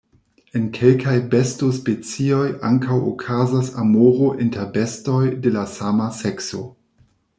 En kelkaj besto-specioj ankaŭ okazas amoro inter bestoj de la sama sekso.